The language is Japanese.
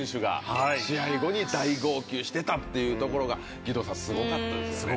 渡邊雄太選手が試合後に大号泣してたというのが義堂さん、すごかったですね。